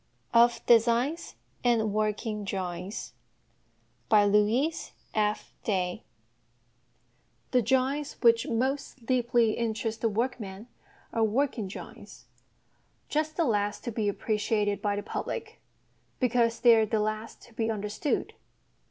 OF DESIGNS AND WORKING DRAWINGS The drawings which most deeply interest the workman are working drawings just the last to be appreciated by the public, because they are the last to be understood.